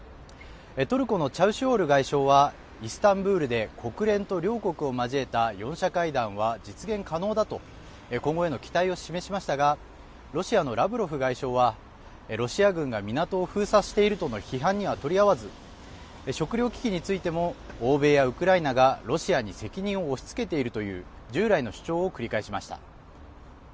トルコのチャウシュオール外相はイスタンブールで国連と両国を交えた４者会談は実現可能だと今後への期待を示しましたがロシアのラブロフ外相はロシア軍が港を封鎖しているとの批判には取り合わず食糧危機についても欧米やウクライナがロシアに責任を押しつけているという従来の主張を繰り返しました。